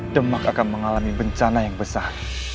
demak akan mengalami bencana yang besar